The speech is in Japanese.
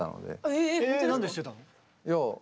えなんで知ってたの？